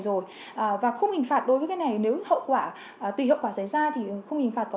rồi và khung hình phạt đối với cái này nếu hậu quả tùy hậu quả xảy ra thì không hình phạt có